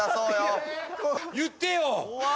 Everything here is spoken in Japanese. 言ってよ！